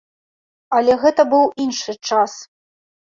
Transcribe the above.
Але гэта быў іншы час.